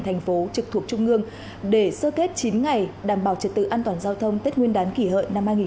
thành phố trực thuộc trung ương để sơ kết chín ngày đảm bảo trật tự an toàn giao thông tết nguyên đán kỷ hợi năm hai nghìn một mươi chín